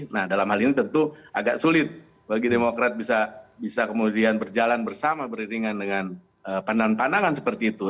nah dalam hal ini tentu agak sulit bagi demokrat bisa kemudian berjalan bersama beriringan dengan pandangan pandangan seperti itu